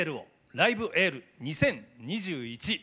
「ライブ・エール２０２１」。